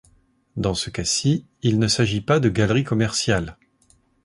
Dans ce cas-ci, il ne s'agit pas de galeries commerciales.